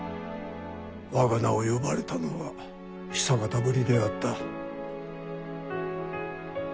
我が名を呼ばれたのは久方ぶりであった。